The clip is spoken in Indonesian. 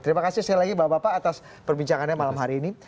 terima kasih sekali lagi bapak bapak atas perbincangannya malam hari ini